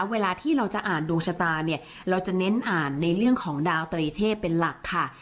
เวลาที่เราจะอ่านดวงชะตาเนี่ยเราจะเน้นอ่านในเรื่องของดาวตรีเทพเป็นหลักค่ะ